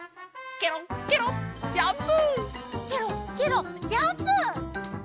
ケロッケロッジャンプ！